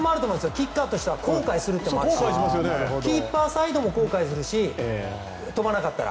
キッカーとしては後悔するしキーパーサイドも後悔するし飛ばなかったら。